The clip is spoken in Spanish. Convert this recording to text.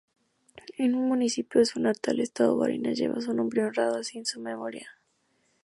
Un municipio de su natal estado Barinas lleva su nombre, honrando así su memoria.